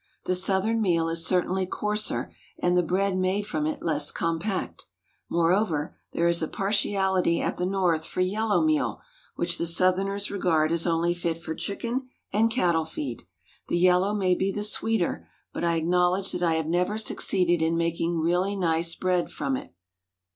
The Southern meal is certainly coarser, and the bread made from it less compact. Moreover, there is a partiality at the North for yellow meal, which the Southerners regard as only fit for chicken and cattle feed. The yellow may be the sweeter, but I acknowledge that I have never succeeded in making really nice bread from it.